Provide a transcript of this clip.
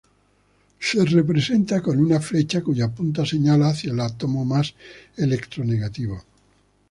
Se representa con una flecha cuya punta señala hacia el átomo más electronegativo.